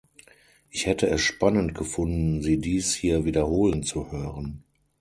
Ich hätte es spannend gefunden, Sie dies hier wiederholen zu hören.